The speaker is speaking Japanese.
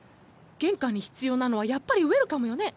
玄関に必要なのはやっぱりウエルカムよね？